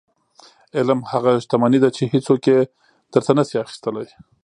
• علم هغه شتمني ده چې هیڅوک یې درنه نشي اخیستلی.